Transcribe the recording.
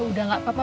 ya udah gak apa apa